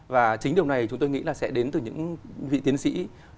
và chính điều này chúng tôi nghĩ là sẽ đến từ những vị tiến sĩ